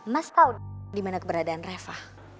mas tau dimana keberadaan reva